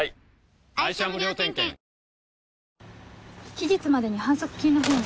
期日までに反則金のほうを。